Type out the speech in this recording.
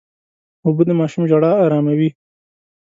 اوبه د ماشوم ژړا اراموي.